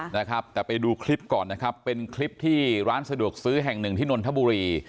นะครับแต่ไปดูคลิปก่อนนะครับเป็นคลิปที่ร้านสะดวกซื้อแห่งหนึ่งที่นนทบุรี